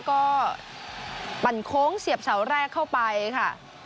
ก็ปั่นโค้งเสียบเสาแรกเข้าไปค่ะ